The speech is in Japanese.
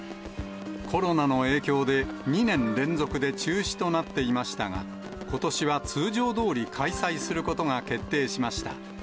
コロナの影響で、２年連続で中止となっていましたが、ことしは通常どおり開催することが決定しました。